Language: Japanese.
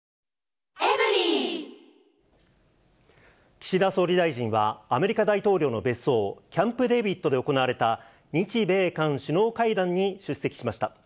岸田総理大臣は、アメリカ大統領の別荘、キャンプ・デービッドで行われた、日米韓首脳会談に出席しました。